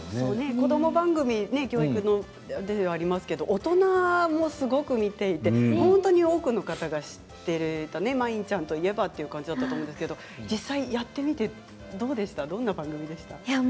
子ども番組、教育の大人もすごく見てて本当に多くの方が知っていてまいんちゃんといえばという感じだったんですけど実際やってみてどんな番組でした？